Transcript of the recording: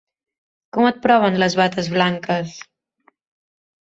Com et proven les bates blanques?